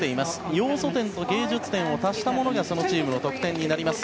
要素点と芸術点を足したものがそのチームの得点です。